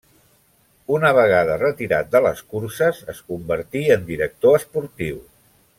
Una vegada retirat de les curses es convertí en director esportiu.